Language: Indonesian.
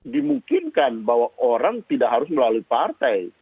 dimungkinkan bahwa orang tidak harus melalui partai